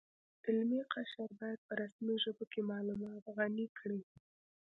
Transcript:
علمي قشر باید په رسمي ژبو کې معلومات غني کړي